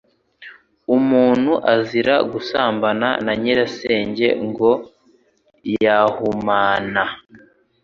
Umuntu azira gusambana na Nyirasenge ngo yahumana,